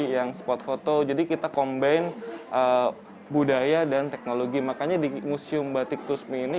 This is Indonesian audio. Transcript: yang spot foto jadi kita combine budaya dan teknologi makanya di museum batik tusmi ini